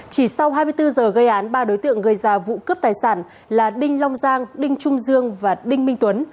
chỉ sau hai mươi bốn giờ gây án ba đối tượng gây ra vụ cướp tài sản là đinh long giang đinh trung dương và đinh minh tuấn